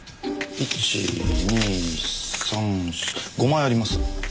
１２３４５枚あります。